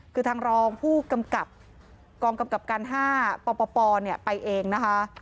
คือทางรองผู้กำกับกองกำกับการ๕ปปไปเองนะคะ